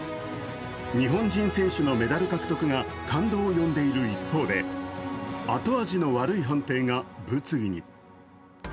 日本人選手のメダル獲得が感動を呼んでいる一方であと味の悪い判定が物議に。